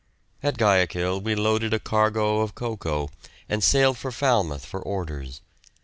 At Guayaquil we loaded a cargo of cocoa and sailed for Falmouth for orders.